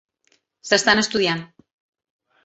S'estan estudiant.